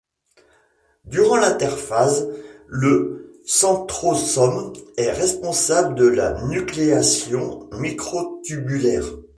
Durant l'interphase, le centrosome est responsable de la nucléation microtubulaire.